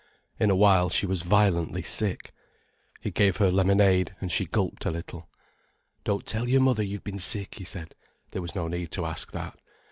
In a while she was violently sick. He gave her lemonade, and she gulped a little. "Don't tell your mother you've been sick," he said. There was no need to ask that.